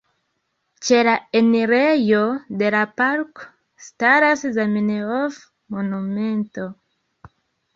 Ĉe la enirejo de la parko staras Zamenhof-monumento.